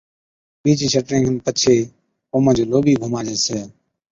ٻِيج ڇٽڻي کن پڇي او منجھ لوٻِي گھُماجَي ڇَي،